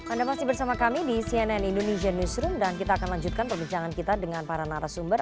anda masih bersama kami di cnn indonesia newsroom dan kita akan lanjutkan perbincangan kita dengan para narasumber